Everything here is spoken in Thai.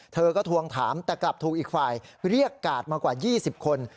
เธอก็ทวงถามแต่กลับถูกอีกฝ่ายเรียกกาดมากว่า๒๐คน